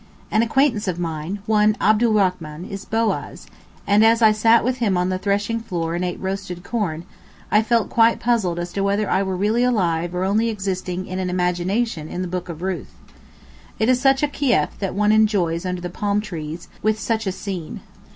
An acquaintance of mine, one Abdurachman, is Boaz, and as I sat with him on the threshing floor and ate roasted corn, I felt quite puzzled as to whether I were really alive or only existing in imagination in the Book of Ruth. It is such a kief that one enjoys under the palm trees, with such a scene.